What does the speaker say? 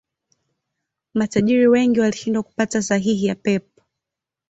Matajiri wengi walishindwa kupata sahihi ya Pep